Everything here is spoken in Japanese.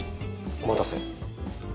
お待たせ。